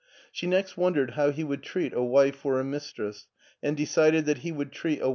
She next wondered how he would treat a wife or a mistress, and decided that he would treat a!